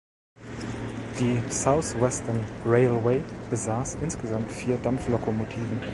Die South Western Railway besaß insgesamt vier Dampflokomotiven.